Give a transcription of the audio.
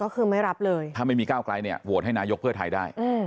ถ้าไม่มีก้าวไก่เนี่ยโหวตให้นายกเพื่อไทยได้